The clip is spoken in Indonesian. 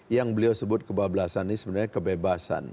yang beliau sebut kebablasan ini sebenarnya kebebasan